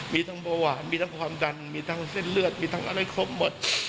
มีทั้งเบาหวานมีทั้งความดันมีทั้งเส้นเลือดมีทั้งอะไรครบหมด